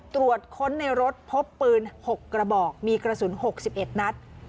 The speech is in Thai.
ตรวจค้นในรถพบปืน๖กระบอกมีกระสุน๖๑นัด